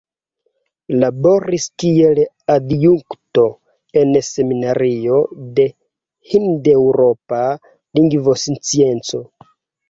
Laboris kiel adjunkto en Seminario de Hindeŭropa Lingvoscienco.